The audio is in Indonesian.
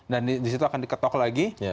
dan di situ akan diketok lagi